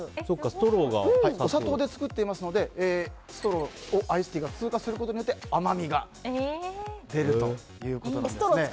お砂糖で作っていますのでストローをアイスティーが通過することによって甘みが出るということです。